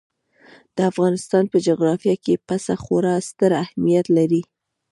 د افغانستان په جغرافیه کې پسه خورا ستر اهمیت لري.